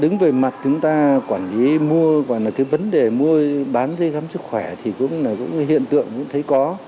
đứng về mặt chúng ta quản lý mua và cái vấn đề mua bán giấy khám sức khỏe thì hiện tượng cũng thấy có